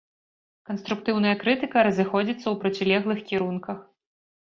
Канструктыўная крытыка разыходзіцца ў процілеглых кірунках.